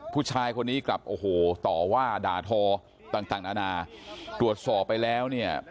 ผู้ชายคนนี้กลับโอ้โหต่อว่าด่าทอต่างต่างนานาตรวจสอบไปแล้วเนี่ย